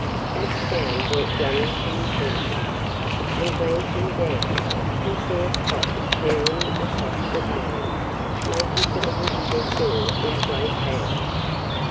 That sound brought Johnnie to his senses. And glancing down, he saw Spot tearing across the barnyard, making for the woodshed door in great bounds.